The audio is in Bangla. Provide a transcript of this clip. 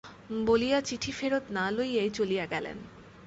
বলিয়া চিঠি ফেরত না লইয়াই চলিয়া গেলেন।